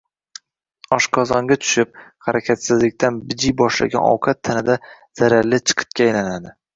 Oshqozonga tushib, harakatsizlikdan bijiy boshlagan ovqat tanada zararli chiqitga aylanadi.